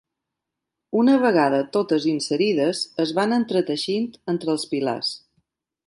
Una vegada totes inserides es van entreteixint entre els pilars.